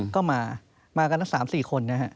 ก็มามากันทั้ง๓๔คนนะฮะ